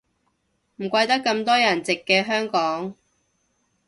唔怪得咁多人直寄香港